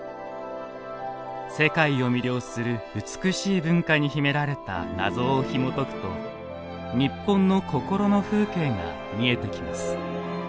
世界を魅了する美しい文化に秘められた謎をひもとくと日本の心の風景が見えてきます。